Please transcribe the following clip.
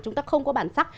chúng ta không có bản sắc